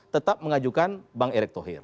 tetap mengajukan bang erick thohir